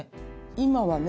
今はね